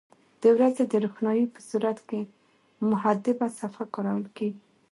د ورځې د روښنایي په صورت کې محدبه صفحه کارول کیږي.